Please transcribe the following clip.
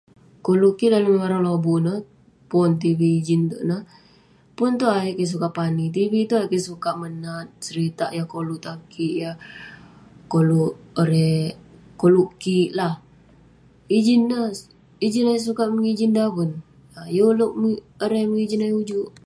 Koluk kik dalem barang lobuk ineh ; pon, tv, ijin itouk ineh. Pon itouk ayuk kik sukat pani. Tv itouk ayuk kik sukat menat seritak yah koluk tan kik, yah koluk erei koluk kik lah. Ijin neh- ineh neh ayuk ulouk sukat mengijin daven, ah yeng ulouk mengijin ayuk ujuk.